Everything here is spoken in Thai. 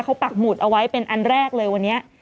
เขาปักหมุดเอาไว้เป็นอันแรกเลยวันนี้